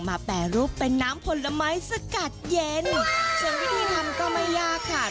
แปรรูปเป็นน้ำผลไม้สกัดเย็นส่วนวิธีทำก็ไม่ยากค่ะ